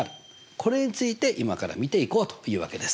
これについて今から見ていこうというわけです。